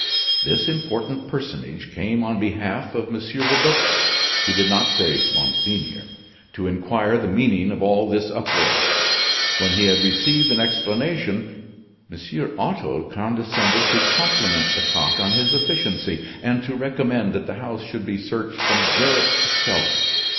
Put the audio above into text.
This important personage came on behalf of Monsieur le Duc (he did not say "Monseigneur") to inquire the meaning of all this uproar. When he had received an explanation, M. Otto condescended to compliment Lecoq on his efficiency, and to recommend that the house should be searched from garret to cellar.